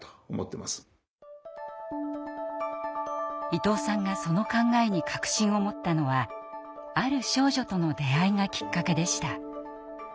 伊藤さんがその考えに確信を持ったのはある少女との出会いがきっかけでした。